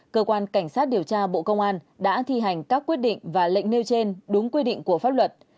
cơ quan cảnh sát điều tra bộ công an đã thi hành các quyết định và lệnh nêu trên đúng quy định của pháp luật